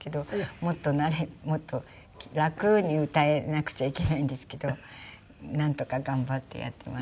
もっと慣れもっと楽に歌えなくちゃいけないんですけどなんとか頑張ってやっています。